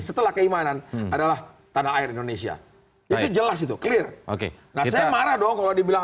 setelah keimanan adalah tanah air indonesia itu jelas itu clear oke nah saya marah dong kalau dibilang